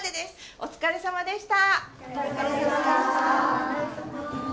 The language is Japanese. お疲れさまでした。